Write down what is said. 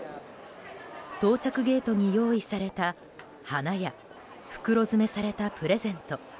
到着ゲートに用意された花や袋詰めされたプレゼント。